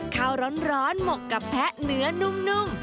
ข้าวร้อนหมกกะแพะเนื้อนุ่ม